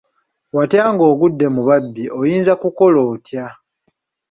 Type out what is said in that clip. Watya nga ogudde mu babbi, oyinza kukola otya?